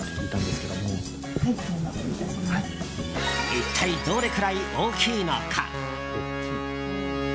一体、どれくらい大きいのか。